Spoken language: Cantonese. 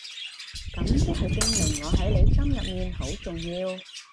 噉即係證明我喺你心入面好重要